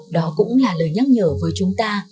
đó cũng là lời nhắc nhở với chúng ta